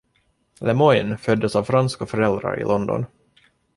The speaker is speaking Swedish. Lemoinne föddes av franska föräldrar i London.